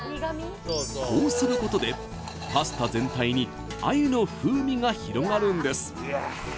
こうすることでパスタ全体に鮎の風味が広がるんです